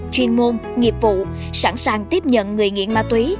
chuyên môn nghiệp vụ sẵn sàng tiếp nhận người nghiện ma túy